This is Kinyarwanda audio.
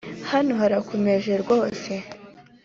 hano harakomeje rwose.